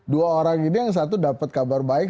dua orang ini yang satu dapat kabar baik